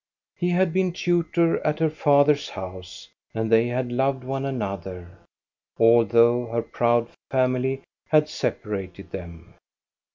He had been tutor at her father's house, and they had loved one another, although her proud family had separated them.